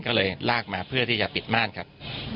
ก็เลยลากมาเพื่อที่จะปิดม่านครับ